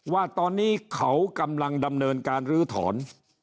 ว่าตอนนี้เขากำลังดำเนินการลื้อถอน